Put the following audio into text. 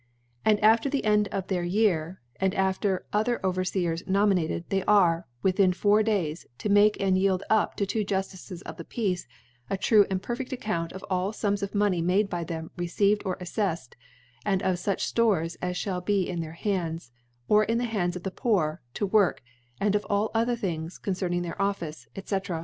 And after the End of their Year, and after other Ovcrfcers nominated, they arc, wiihin four Days, to make and yield up <o two Juftices of the Peace a true and per fcdl Account of all Sums of Money by them received or affcfled, and of fuch Stores as fhall be in their Hands, or in the Hands of the Poor to work, and of all other Things concerning their OfBce, 6fr.